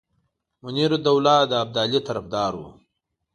منیرالدوله د ابدالي طرفدار وو.